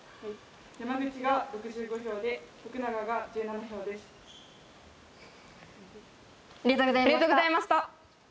山口が６５票で、ありがとうございました。